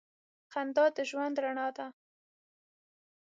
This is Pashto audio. • خندا د ژوند رڼا ده.